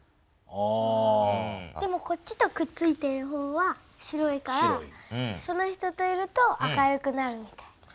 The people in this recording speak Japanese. でもこっちとくっついてる方は白いからその人といると明るくなるみたいな。